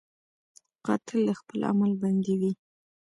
قاتل د خپل عمل بندي وي